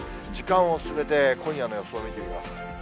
時間を進めて、今夜の予想を見てみます。